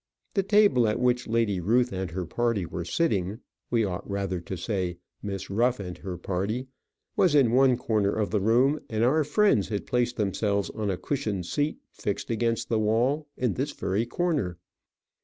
The table at which Lady Ruth and her party were sitting we ought rather to say, Miss Ruff and her party was in one corner of the room, and our friends had placed themselves on a cushioned seat fixed against the wall in this very corner.